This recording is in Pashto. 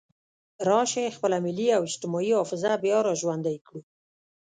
راشئ خپله ملي او اجتماعي حافظه بیا را ژوندۍ کړو.